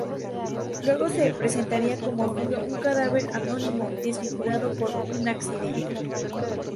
Luego se presentaría como suyo un cadáver anónimo desfigurado por un accidente.